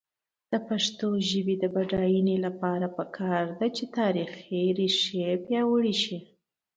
د پښتو ژبې د بډاینې لپاره پکار ده چې تاریخي ریښې پیاوړې شي.